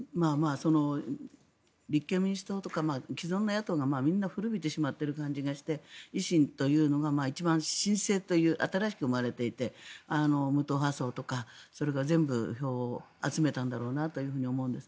立憲民主党とか既存の野党とかがみんな古びてしまっている感じがして維新というのが一番新鮮という新しく生まれていて無党派層とか、全部票を集めたんだろうなと思います。